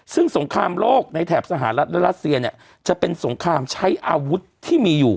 ซึ่งสงครามโลกในแถบสหรัฐและรัสเซียเนี่ยจะเป็นสงครามใช้อาวุธที่มีอยู่